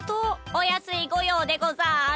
おやすいごようでござる。